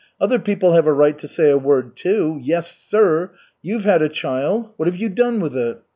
Other people have a right to say a word, too. Yes, sir! You've had a child. What have you done with it?